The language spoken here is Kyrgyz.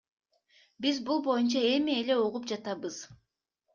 Биз бул боюнча эми эле угуп жатабыз.